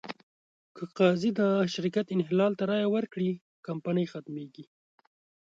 که قاضي د شرکت انحلال ته رایه ورکړي، کمپنۍ ختمېږي.